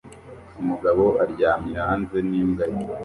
Umugabo aryamye hanze n'imbwa ye